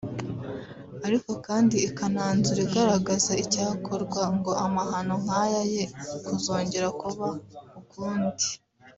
ariko kandi ikananzura igaragaza icyakorwa ngo amahano nk’aya ye kuzongera kuba ukundi